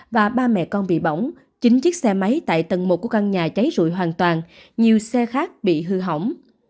và ba mẹ con bị bỏng chín chiếc xe máy tại tầng một của căn nhà cháy rụi hoàn toàn nhiều xe khác bị hư hỏng